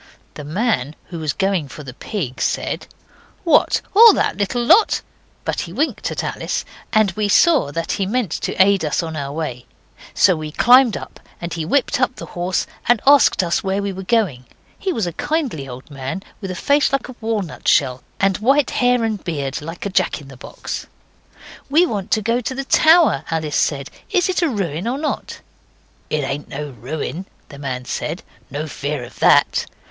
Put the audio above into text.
The man who was going for the pig said 'What, all that little lot?' but he winked at Alice, and we saw that he meant to aid us on our way. So we climbed up, and he whipped up the horse and asked us where we were going. He was a kindly old man, with a face like a walnut shell, and white hair and beard like a jack in the box. 'We want to get to the tower,' Alice said. 'Is it a ruin, or not?' 'It ain't no ruin,' the man said; 'no fear of that!